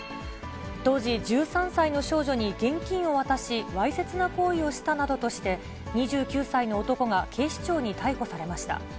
当時１３歳の少女に現金を渡し、わいせつな行為をしたなどとして、２９歳の男が警視庁に逮捕されました。